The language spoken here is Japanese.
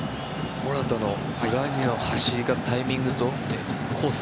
モラタの裏への走りのタイミング、コース